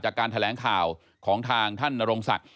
จากการแถลงข่าวของทางท่านนรงศักดิ